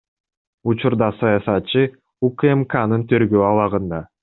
Учурда саясатчы УКМКнын тергөө абагында.